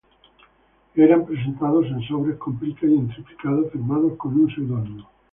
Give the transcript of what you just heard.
Eran presentados en sobres con plica y en triplicado firmados con un pseudónimo.